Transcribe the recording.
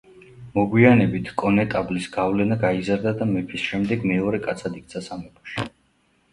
მოგვიანებით კონეტაბლის გავლენა გაიზარდა და მეფის შემდეგ მეორე კაცად იქცა სამეფოში.